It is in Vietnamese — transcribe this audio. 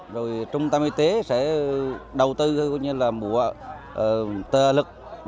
rồi trung tâm y tế sẽ đầu tư như là mùa tơ lực